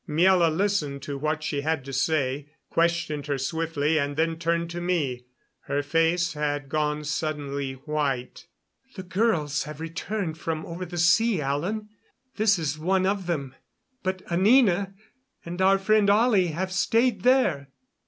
Miela listened to what she had to say, questioned her swiftly, and then turned to me. Her face had gone suddenly white. "The girls have returned from over the sea, Alan. This is one of them. But Anina and our friend Ollie have stayed there."